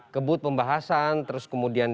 kebut pembahasan terus kemudian